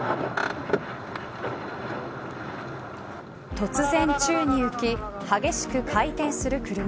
突然宙に浮き激しく回転する車。